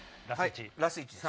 ラス１です。